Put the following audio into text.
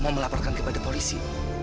mau melaporkan kepada polisi